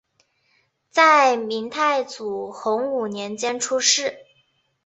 在明太祖洪武年间出仕。